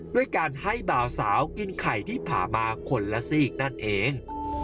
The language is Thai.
ด้วยการให้บ่าวสาวกินไข่ที่ผ่ามาคนละซีกนั่นเอง